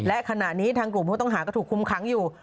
และขณะนี้ทางกลุ่มผู้ต้องหาก็ถูกคุมขังอยู่